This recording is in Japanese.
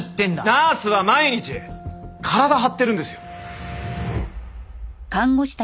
ナースは毎日体張ってるんですよ。